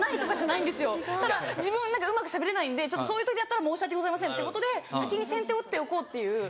ただ自分何かうまくしゃべれないんでそういう時あったら申し訳ございませんってことで先に先手を打っておこうっていう。